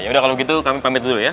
yaudah kalau gitu kami pamit dulu ya